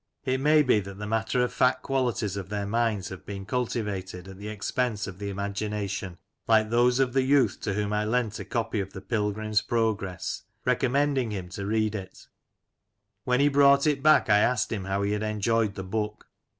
It may be that the matter of fact qualities of their minds have been cultivated at the expense of the imagination, like those of the youth to whom I lent a copy of the "Pilgrim's Progress," recommending him to read it When he brought it back I asked him how he had enjoyed the book.